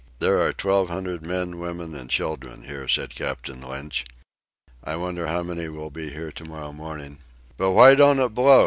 "There are twelve hundred men, women, and children here," said Captain Lynch. "I wonder how many will be here tomorrow morning." "But why don't it blow?